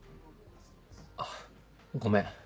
あっごめん。